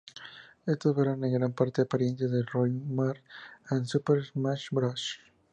Esto fueron en gran parte apariencias de Roy y Marth en Super Smash Bros.